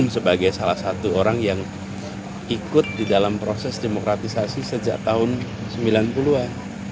sebagai salah satu orang yang ikut di dalam proses demokratisasi sejak tahun sembilan puluh an